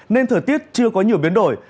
nên thời tiết chưa có nhiều biến đổi